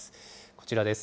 こちらです。